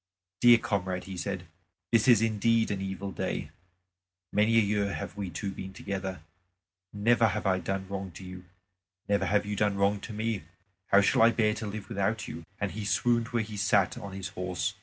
"Dear comrade," he said, "this is indeed an evil day. Many a year have we two been together. Never have I done wrong to you; never have you done wrong to me. How shall I bear to live without you?" And he swooned where he sat on his horse.